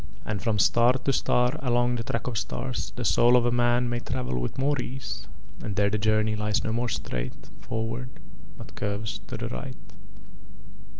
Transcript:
And from star to star along the Track of Stars the soul of a man may travel with more ease, and there the journey lies no more straight forward, but curves to the right."